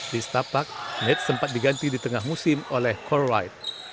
di stapak nate sempat diganti di tengah musim oleh call right